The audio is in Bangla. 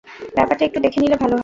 ব্যাপারটা একটু দেখে নিলে ভালো হয়।